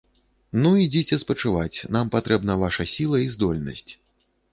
Ну, ідзіце спачываць, нам патрэбна ваша сіла і здольнасць.